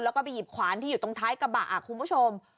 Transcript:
แล้วก็ไปหยิบขวานที่อยู่ตรงท้ายกระบะคุณผู้ชม